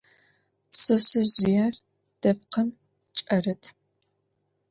Пшъэшъэжъыер дэпкъым кӀэрыт.